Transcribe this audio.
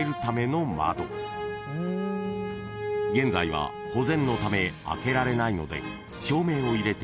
［現在は保全のため開けられないので］